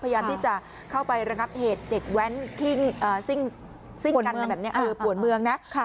พยายามที่จะเข้าไประงับเหตุเด็กแว้นซิ่งกันอะไรแบบนี้ปวดเมืองนะ